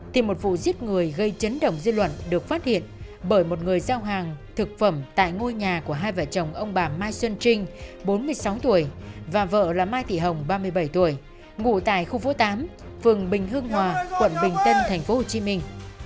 thì một vụ giết người gây chấn động dư luận được phát hiện bởi một người giao hàng thực phẩm tại ngôi nhà của hai vợ chồng ông bà mai xuân trinh bốn mươi sáu tuổi và vợ là mai thị hồng ba mươi bảy tuổi ngụ tại khu phố tám phường bình hưng hòa quận bình tân thành phố hồ chí minh